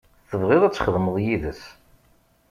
Tebɣiḍ ad txedmeḍ yid-s.